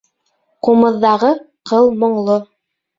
Ҡумыҙҙағы ҡыл моңло